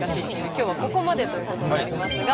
今日はここまでということになりますが。